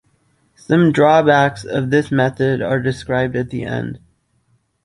Some drawbacks of this method are described at the end.